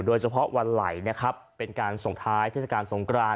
โดยเฉพาะวันไหลนะครับเป็นการส่งท้ายเทศกาลสงกราน